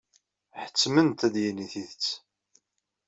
Ḥettmen-t ad d-yini tidet.